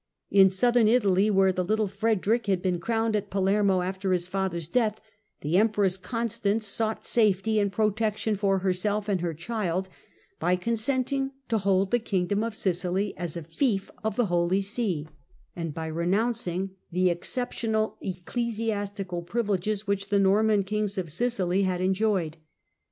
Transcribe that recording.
In southern Italy, where the little Frederick had been crowned at Palermo after his father's death, the Empress Constance sought safety and protection for herself and her child by consenting to hold the kingdom of Sicily as a fief of the Holy See and by renouncing the exceptional ecclesiastical privileges which the Norman kings of Sicily had enjoyed.